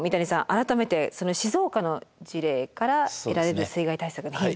改めて静岡の事例から得られる水害対策のヒント